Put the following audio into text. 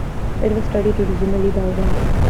It was studied originally by him.